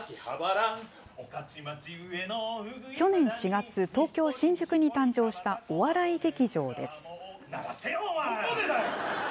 去年４月、東京・新宿に誕生したお笑い劇場です。